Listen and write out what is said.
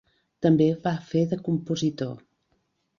També va fer de compositor.